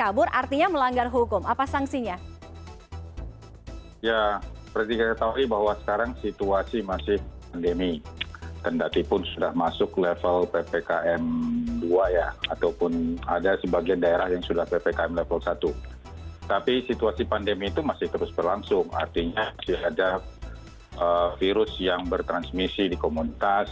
artinya masih ada virus yang bertransmisi di komunitas